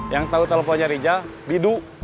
yang tau teleponnya rija didu